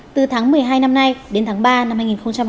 từ tháng một mươi hai năm nay đến tháng ba năm hai nghìn hai mươi